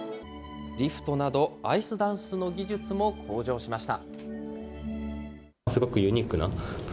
リフトなどアイスダンスの技術も向上しました。